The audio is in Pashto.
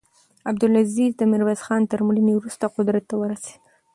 عبدالعزیز د میرویس خان تر مړینې وروسته قدرت ته ورسېد.